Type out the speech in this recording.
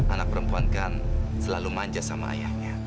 anak perempuan kan selalu manja sama ayahnya